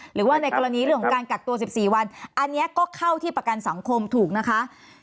หรือว่าในกรณีในการกัดตัว๑๔วันอันเยอะก็เข้าที่ประกันสังคมถูกนะคะ